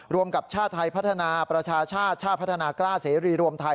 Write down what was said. กับชาติไทยพัฒนาประชาชาติชาติพัฒนากล้าเสรีรวมไทย